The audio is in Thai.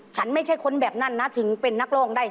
ฉันไม่ใช่คนแบบนั้นนะถึงเป็นนักร้องได้